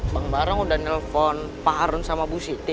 bang barong udah nelfon pak harun sama bu siti